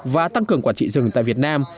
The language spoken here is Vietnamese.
và tăng cường quản trị rừng tại việt nam